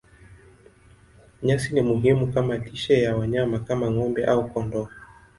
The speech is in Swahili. Nyasi ni muhimu kama lishe ya wanyama kama ng'ombe au kondoo.